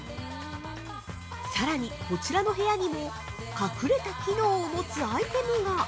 さらにこちらの部屋にも隠れた機能を持つアイテムが◆